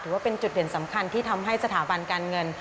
ว่าเป็นจุดเด่นสำคัญที่ทำให้สถาบันการเงิน